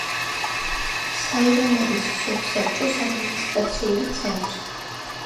საირანოვის სოფსაბჭოს ადმინისტრაციული ცენტრი.